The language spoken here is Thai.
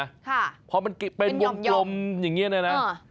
ค่ะเป็นหย่อมหย่อมค่ะเพราะมันเป็นวงกลมอย่างนี้นะ